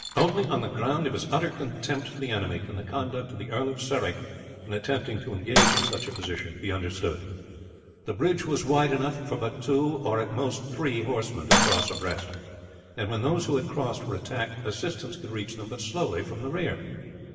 Only on the ground of his utter contempt for the enemy can the conduct of the Earl of Surrey, in attempting to engage in such a position, be understood. The bridge was wide enough for but two, or at most three, horsemen to cross abreast, and when those who had crossed were attacked assistance could reach them but slowly from the rear.